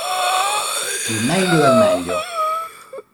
Il meglio del meglio